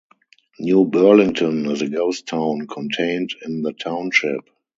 New Burlington is a ghost town contained in the township.